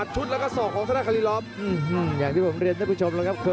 จริงจริงจริงจริง